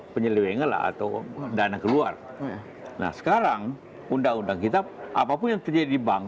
penyelewengan lah atau dana keluar nah sekarang undang undang kita apapun yang terjadi di bank